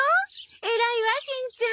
偉いわしんちゃん。